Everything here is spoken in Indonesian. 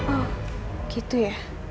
oh gitu ya